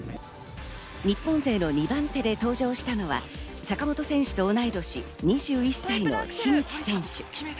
日本勢の２番手で登場したのは坂本選手と同い年、２１歳の樋口選手。